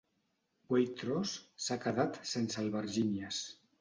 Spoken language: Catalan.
Waitrose s'ha quedat sense albergínies.